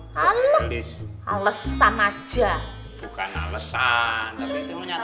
halo alesan aja bukan alesan tapi penyataannya begitu